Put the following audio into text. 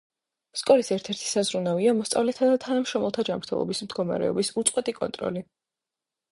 სკოლის ერთ-ერთი საზრუნავია მოსწავლეთა და თანამშრომელთა ჯანმრთელობის მდგომარეობის უწყვეტი კონტროლი.